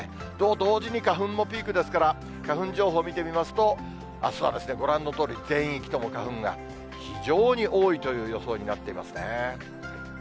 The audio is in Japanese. と同時に、花粉もピークですから、花粉情報見てみますと、あすはご覧のとおり、全域とも花粉が非常に多いという予想になっていますね。